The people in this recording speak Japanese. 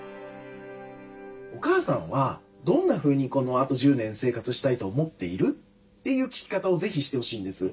「お母さんはどんなふうにこのあと１０年生活したいと思っている？」という聞き方を是非してほしいんです。